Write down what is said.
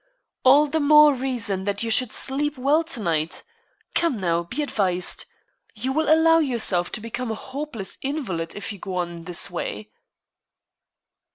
"All the more reason that you should sleep well to night. Come, now, be advised. You will allow yourself to become a hopeless invalid if you go on in this way."